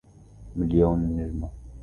مليون نجمهْ!